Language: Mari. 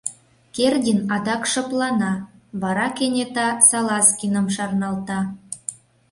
Кердин адак шыплана, вара кенета Салазкиным шарналта: